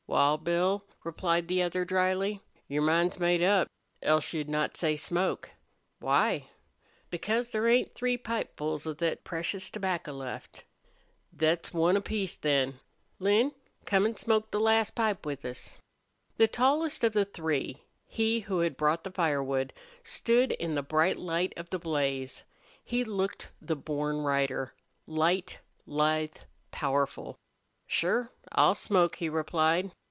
"Wal, Bill," replied the other, dryly, "your mind's made up, else you'd not say smoke." "Why?" "Because there ain't three pipefuls of thet precious tobacco left." "Thet's one apiece, then. ... Lin, come an' smoke the last pipe with us." The tallest of the three, he who had brought the firewood, stood in the bright light of the blaze. He looked the born rider, light, lithe, powerful. "Sure, I'll smoke," he replied.